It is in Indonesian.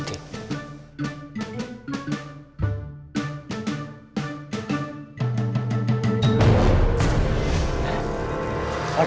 tidak ada yang lari